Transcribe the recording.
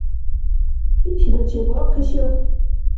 Ишра чебаахъишав?